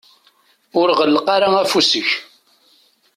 Ur ɣelleq ara afus-ik.